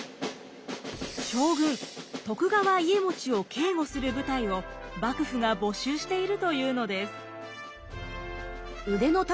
将軍徳川家茂を警護する部隊を幕府が募集しているというのです。